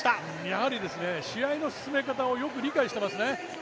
やはり試合の進め方をよく理解してますね。